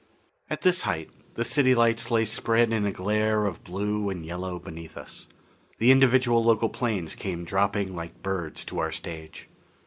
At this height, the city lights lay spread in a glare of blue and yellow beneath us. The individual local planes came dropping like birds to our stage.